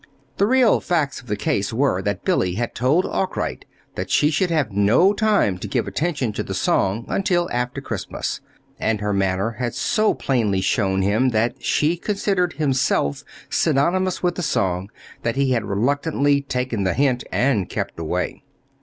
The real facts of the case were that Billy had told Arkwright that she should have no time to give attention to the song until after Christmas; and her manner had so plainly shown him that she considered himself synonymous with the song, that he had reluctantly taken the hint and kept away.